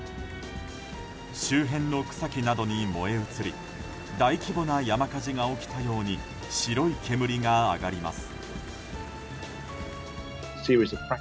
周辺の草木などに燃え移り大規模な山火事が起きたように白い煙が上がります。